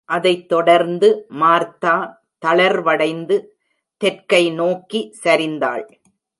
அதைத் தொடர்ந்து, மார்த்தா தளர்வடைந்து தெற்கை நோக்கி சரிந்தாள்.